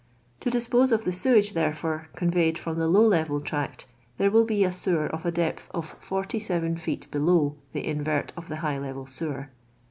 To dispose of tbe sewage, therefore, conveyed from the low levai tract, there will be a sewer of a "depth oi forty seven feet below" the invert of the high level sewer.